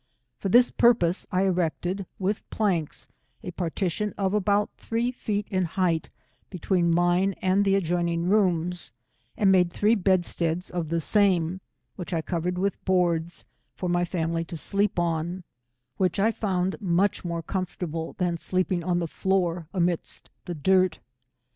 — For this purpose, I erected with planks, a partition of about three feet high, between mine and the, adjoining rooms, and made three bedsteads of the same, which I covered with boards, for my family to sleep on, which 1 found much more comfortable than sleeping on the floor amidst the dirt.